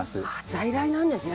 在来なんですね